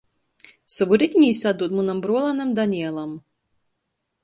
Sovu ritini jis atdūd munam bruolānam Danielam.